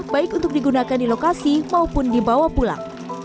baik untuk digunakan di lokasi maupun dibawa pulang